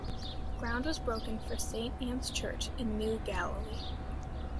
Ground was broken for Saint Ann's Church in New Galilee.